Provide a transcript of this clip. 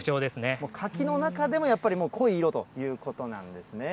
もう柿の中でもやっぱり、濃い色ということなんですね。